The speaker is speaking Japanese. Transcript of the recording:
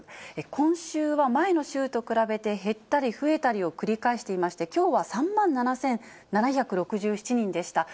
今週は前の週と比べて、減ったり増えたりを繰り返していまして、きょうは３万７７６７人でした。